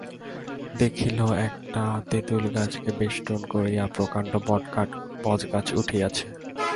দেখিল একটা তেঁতুলগাছকে বেষ্টন করিয়া প্রকাণ্ড বটগাছ উঠিয়াছে।